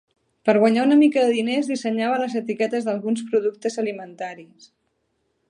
Per guanyar una mica de diners, dissenyava les etiquetes d'alguns productes alimentaris.